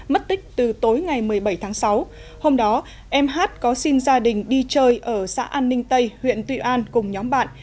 mất tích từ tối ngày một mươi bảy tháng sáu hôm đó em hát có xin gia đình đi chơi ở xã an ninh tây huyện tuy an cùng nhóm bạn